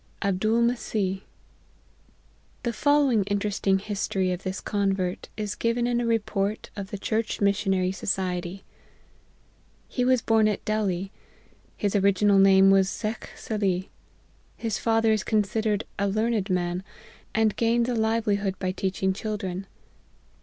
ABDOOL MESSEEH. THE following interesting history of this convert is given in a Report of the Church Missionary Society :" He was born at Delhi. His original name was Shekh Salih. His father is considered a learned man, and gains a livelihood by teaching children.